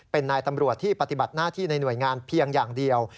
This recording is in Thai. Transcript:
เป็นนายตำรวจที่ปฏิบัติหน้าที่ในหน่วยงานเพียงอย่างเดียว